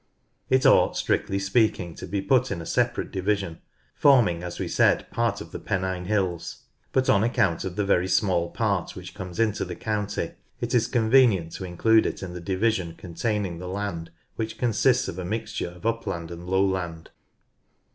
It ought strictly speaking to be put in a separate division, forming, as we said, part of the Pennine Hills, but on account of the very small part which comes into the county it is convenient to include it in the division containing the land which consists of a mixture of upland and lowland.